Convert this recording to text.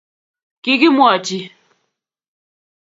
Kikimwochi